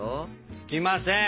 つきません？